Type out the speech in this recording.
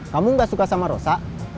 kamu gak suka sama rosa